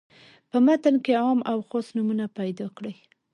په متن کې عام او خاص نومونه پیداکړي.